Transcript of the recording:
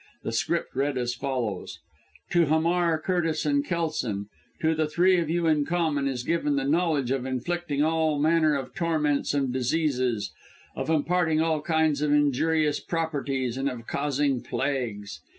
The script read as follows: "To Hamar, Curtis and Kelson to the three of you in common is given the knowledge of inflicting all manner of torments and diseases, of imparting all kinds of injurious properties, and of causing plagues.